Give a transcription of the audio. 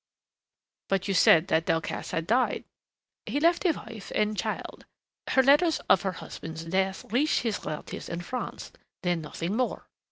"But you said that Delcassé had died " "He left a wife and child. Her letters of her husband's death reached his relatives in France, then nothing more.